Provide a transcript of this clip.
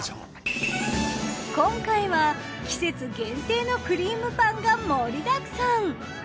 今回は季節限定のくりーむパンが盛りだくさん。